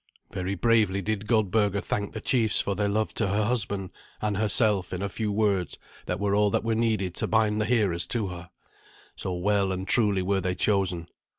Very bravely did Goldberga thank the chiefs for their love to her husband and herself in a few words that were all that were needed to bind the hearers to her, so well and truly were they chosen.